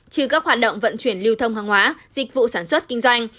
trừ các hoạt động vận chuyển lưu thông hàng hóa dịch vụ sản xuất kinh doanh